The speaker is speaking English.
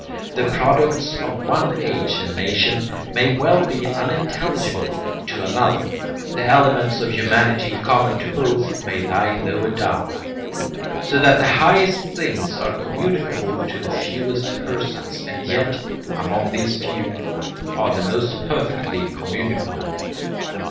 The products of one age and nation may well be unintelligible to another; the elements of humanity common to both may lie lower down. So that the highest things are communicable to the fewest persons, and yet, among these few, are the most perfectly communicable.